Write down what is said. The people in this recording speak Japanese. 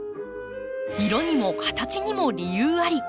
色にも形にも理由あり。